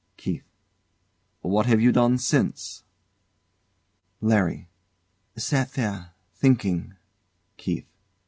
KEITH. What have you done since? LARRY. Sat there thinking. KEITH.